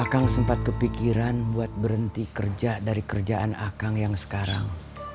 aang sempat kepikiran buat berhenti kerja dari kerjaan akang yang sekarang